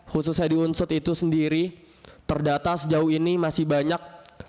khususnya di unsut itu sendiri perdata sejauh ini masih banyak